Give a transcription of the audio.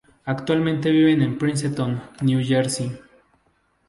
Actualmente viven en Princeton, New Jersey.